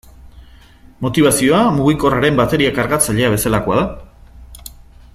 Motibazioa mugikorraren bateria kargatzailea bezalakoa da.